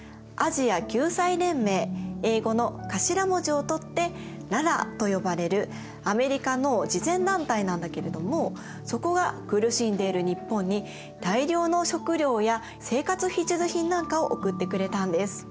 アジア救済連盟英語の頭文字を取ってＬＡＲＡと呼ばれるアメリカの慈善団体なんだけれどもそこが苦しんでいる日本に大量の食料や生活必需品なんかを送ってくれたんです。